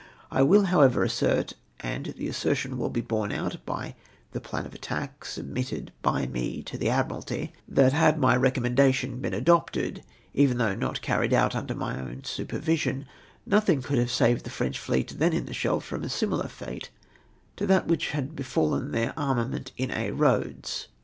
I will, however, assert — and the assertion will be borne out by the plan of attack submitted l)y me to the Admiralty — that had my recommendation been adopted, even though not carried out under my own supervision, nothing could have saved the French fleet in the Scheldt from a similar fate to that Avhich had befallen their armament in Aix Eoads.